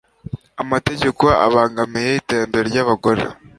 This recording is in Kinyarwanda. amategeko abangamiye iterambere ry'abagore